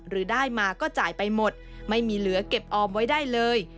หรือได้มาก็จ่ายไปหมดไม่มีเหลือเก็บออมไว้ได้เลย